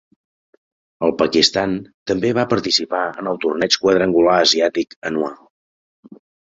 El Pakistan també va participar en el Torneig Quadrangular Asiàtic anual.